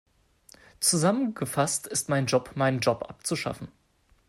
Zusammengefasst ist mein Job, meinen Job abzuschaffen.